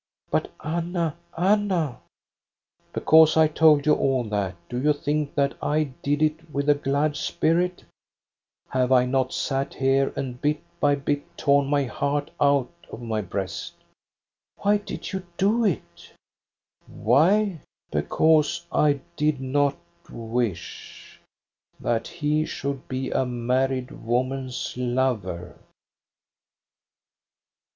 "But, Anna, Anna!" " Because I told you all that do you think that I did it with a glad spirit } Have I not sat here and bit by bit torn my heart out of my breast }'*" Why did you do it t "" Why } Because I did not wish — that he should be a married woman's lover."